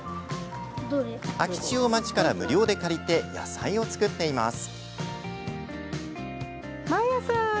空き地を町から無料で借りて野菜を作っています。